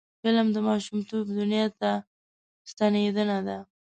فلم د ماشومتوب دنیا ته ستنیدنه ده